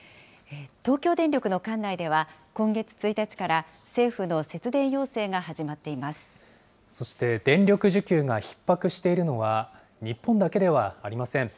東京電力の管内では、今月１日から政府の節電要請が始まっていまそして、電力需給がひっ迫しているのは、日本だけではありません。